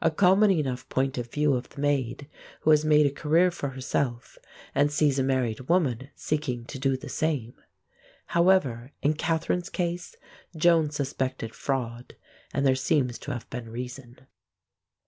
A common enough point of view of the Maid who has made a career for herself and sees a married woman seeking to do the same! However, in Catherine's case Joan suspected fraud, and there seems to have been reason.